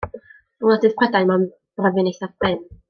Yng ngwledydd Prydain mae'n bryfyn eithaf prin.